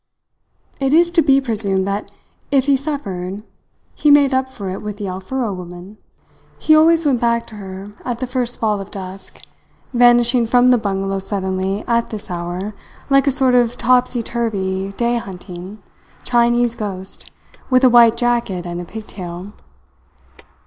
It is to be presumed that if he suffered he made up for it with the Alfuro woman. He always went back to her at the first fall of dusk, vanishing from the bungalow suddenly at this hour, like a sort of topsy turvy, day hunting, Chinese ghost with a white jacket and a pigtail.